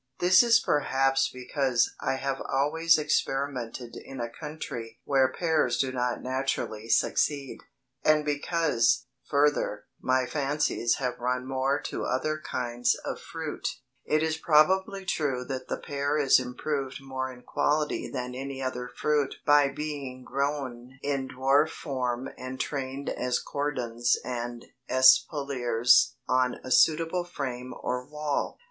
This is perhaps because I have always experimented in a country where pears do not naturally succeed, and because, further, my fancies have run more to other kinds of fruit. [Illustration: FIG. 28 YOUNG ORCHARD OF DWARF PEARS IN WESTERN NEW YORK] It is probably true that the pear is improved more in quality than any other fruit by being grown in dwarf form and trained as cordons and espaliers on a suitable frame or wall.